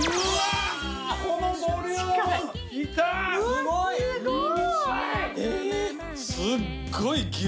すっごい牛！